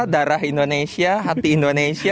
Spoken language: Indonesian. darah indonesia hati indonesia